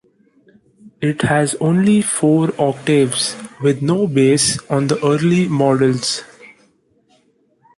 It has only four octaves, with no bass on the early models.